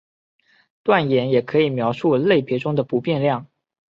断言也可以描述类别中的不变量。